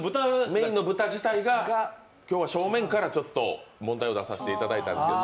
メインの豚自体が今日は正面から問題を出させていただいたんですけど。